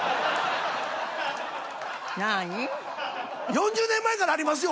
４０年前からありますよ。